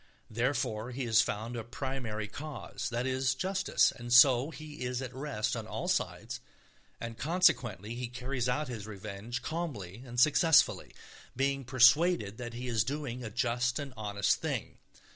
Therefore he has found a primary cause, that is, justice. And so he is at rest on all sides, and consequently he carries out his revenge calmly and successfully, being persuaded that he is doing a just and honest thing.